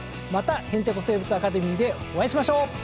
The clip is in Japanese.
また「へんてこ生物アカデミー」でお会いしましょう！